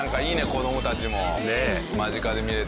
子どもたちも間近で見れて。